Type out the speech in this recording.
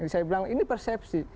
saya bilang ini persepsi